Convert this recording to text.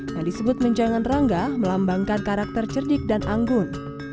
yang disebut menjangan rangga melambangkan karakter cerdik dan anggun